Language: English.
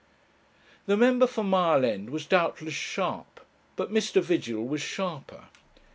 The member for Mile End was doubtless sharp, but Mr. Vigil was sharper.